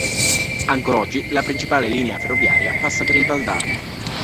Ancor oggi la principale linea ferroviaria passa per il Valdarno.